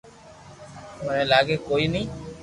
مني لاگي ڪوئي ني